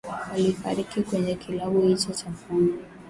walifariki kwenye kilabu hicho cha pombe